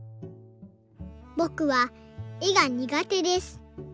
「ぼくは絵が苦手です。